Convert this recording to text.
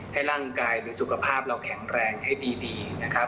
ให้ร่างกายหรือสุขภาพเราแข็งแรงให้ดีนะครับ